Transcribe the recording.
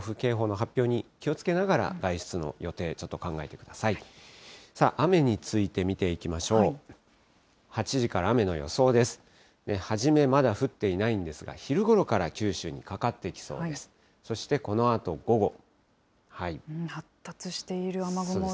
初めまだ降っていないんですが、昼ごろから九州にかかってきそうです。